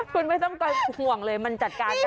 คุณไม่ต้องห่วงเลยมันจัดการได้